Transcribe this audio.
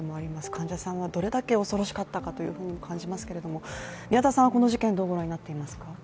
患者さんがどれだけ恐ろしかったかと思いますけれども宮田さんはこの事件、どうご覧になっていますか？